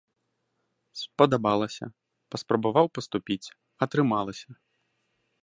Спадабалася, паспрабаваў паступіць, атрымалася!